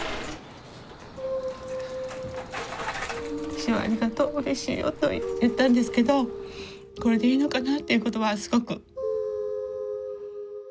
「師恩ありがとううれしいよ」と言ったんですけどこれでいいのかなっていうことはすごく。